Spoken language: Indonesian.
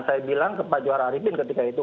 saya bilang ke pak juara arifin ketika itu